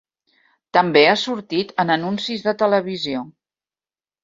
També ha sortit en anuncis de televisió.